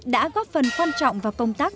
đã góp phần quan trọng vào công tác